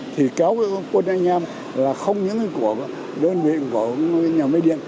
thì kéo quân anh em là không những của đơn vị của nhà máy điện